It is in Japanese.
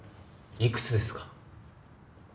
いくつですか？